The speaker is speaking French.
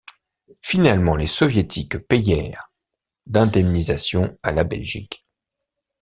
Finalement les soviétiques payèrent d'indemnisation à la Belgique.